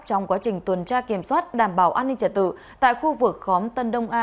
trong quá trình tuần tra kiểm soát đảm bảo an ninh trả tự tại khu vực khóm tân đông a